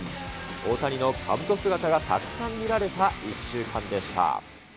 大谷のかぶと姿がたくさん見られた１週間でした。